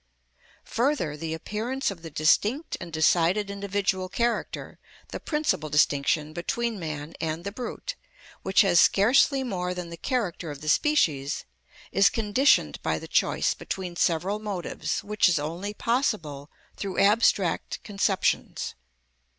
Further, the appearance of the distinct and decided individual character, the principal distinction between man and the brute, which has scarcely more than the character of the species, is conditioned by the choice between several motives, which is only possible through abstract conceptions.